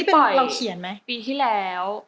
เป็นเพลงที่เราเขียนไหมปีที่แล้ว